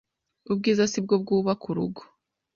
Ubwiza sibwo bwubaka urugo